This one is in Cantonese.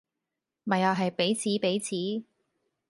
咪又係彼此彼此